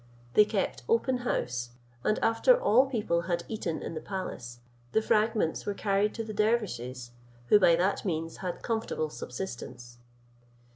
They kept open house; and after all people had eaten in the palace, the fragments were carried to the dervises, who by that means had comfortable subsistence.